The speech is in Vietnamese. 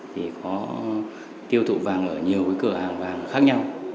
thì có tiêu thụ vàng ở nhiều cái cửa hàng vàng khác nhau